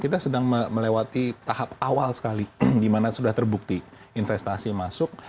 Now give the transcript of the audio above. kita sedang melewati tahap awal sekali di mana sudah terbukti investasi masuk